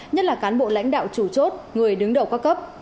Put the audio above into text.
nhất là cán bộ lãnh đạo chủ chốt người đứng đầu các cấp